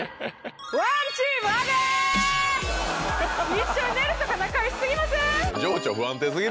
一緒に寝るとか仲良過ぎません？